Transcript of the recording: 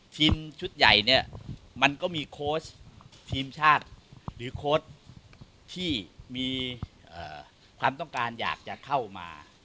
ทีมชุดใหญ่เนี่ยมันก็มีโค้ชทีมชาติหรือโค้ชที่มีความต้องการอยากจะเข้ามา